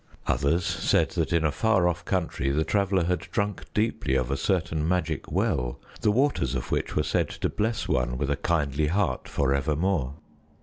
Others said that in a far off country the Traveler had drunk deeply of a certain magic well, the waters of which were said to bless one with a kindly heart forevermore.